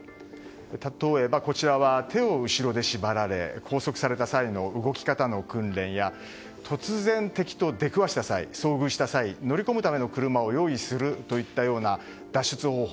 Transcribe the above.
例えば、手を後ろで縛られ拘束された際の動き方の訓練や突然敵と出くわした際遭遇した際、乗り込むための車を用意するといったような脱出方法